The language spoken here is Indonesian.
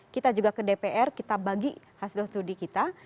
kita juga ke dpr kita bagi hasil studi kita